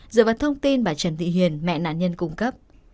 dựa vào thông tin bà trần thị hiền mẹ nạn nhân cung cấp